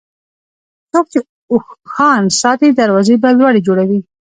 څوک چې اوښان ساتي، دروازې به لوړې جوړوي.